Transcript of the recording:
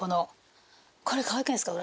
これかわいくないですか？